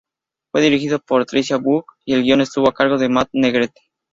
Fue dirigido por Tricia Brock y el guion estuvo a cargo de Matt Negrete.